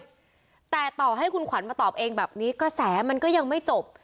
แต่ต่อให้คุณขวัญมาตอบเองแบบนี้กระแสมันก็ยังไม่จบ